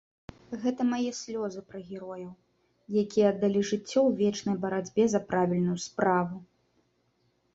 Гэта мае слёзы пра герояў, якія аддалі жыццё ў вечнай барацьбе за правільную справу!